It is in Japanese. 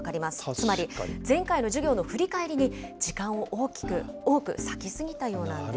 つまり、前回の授業の振り返りに時間を多く割き過ぎたようなんです。